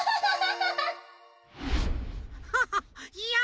ハハッいや